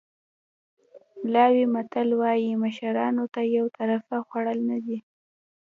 ملاوي متل وایي مشرانو ته یو طرفه خوړل نه دي.